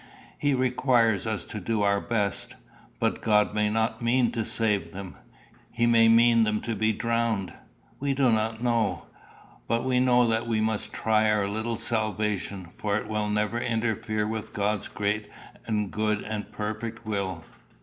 He requires us to do our best." "But God may not mean to save them." "He may mean them to be drowned we do not know. But we know that we must try our little salvation, for it will never interfere with God's great and good and perfect will.